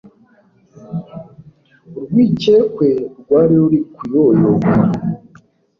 Urwikekwe rwari ruri kuyoyoka.